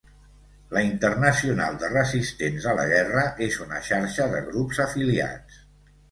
La Internacional de Resistents a la Guerra és una xarxa de grups afiliats.